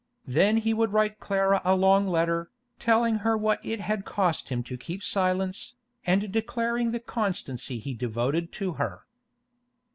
Then he would write Clara a long letter, telling her what it had cost him to keep silence, and declaring the constancy he devoted to her.